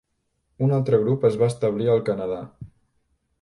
Un altre grup es va establir al Canadà.